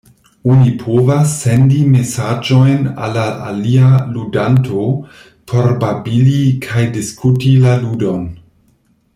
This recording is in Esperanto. Oni povas sendi mesaĝojn al la alia ludanto por babili kaj diskuti la ludon.